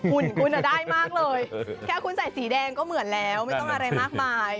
ุ่นคุณได้มากเลยแค่คุณใส่สีแดงก็เหมือนแล้วไม่ต้องอะไรมากมาย